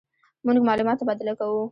مونږ معلومات تبادله کوو.